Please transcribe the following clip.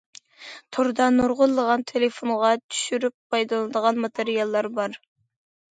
توردا نۇرغۇنلىغان تېلېفونغا چۈشۈرۈپ پايدىلىنىدىغان ماتېرىياللار بار.